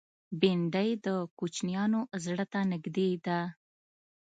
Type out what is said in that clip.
بېنډۍ د کوچنیانو زړه ته نږدې ده